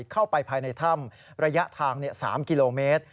เข้าไปภายในถ้ำระยะทาง๓กิโลเมตร